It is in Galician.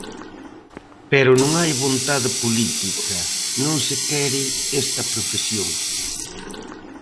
Pero non hai vontade política, non se quere esta profesión.